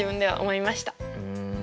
うん。